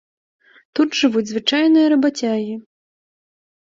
Тут жывуць звычайныя рабацягі.